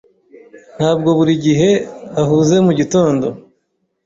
Ntabwo buri gihe ahuze mugitondo.